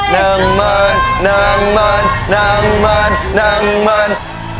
น้ำมันน้ำมันน้ำมันน้ำมัน